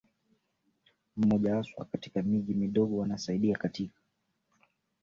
mmoja haswa katika miji midogo Wanasaidia katika